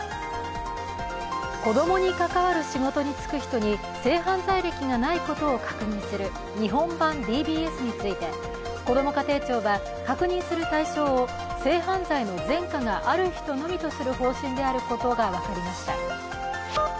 子供に関わる仕事につく人に性犯罪歴がないとを確認する日本版ＤＢＳについて、こども家庭庁は確認する対象を性犯罪の前科がある人のみとする方針であることが分かりました。